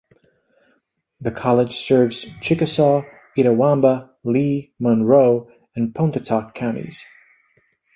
The college serves Chickasaw, Itawamba, Lee, Monroe, and Pontotoc counties.